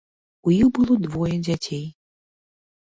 У іх было двое дзяцей.